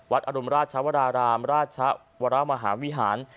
วัดอรุมราชวรารามวัดอราวมหาวิหาร